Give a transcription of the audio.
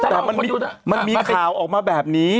แต่มันมีข่าวออกมาแบบนี้